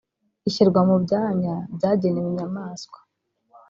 ishyirwa mu byanya byagenewe inyamaswa